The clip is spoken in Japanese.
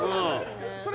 それ